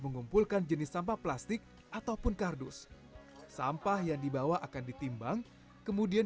mengumpulkan jenis sampah plastik ataupun kardus sampah yang dibawa akan ditimbang kemudian